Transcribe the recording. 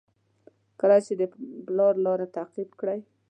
کله چې د پلار لاره تعقیب کړئ.